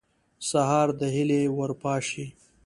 سهار د هیلې ور پاشي.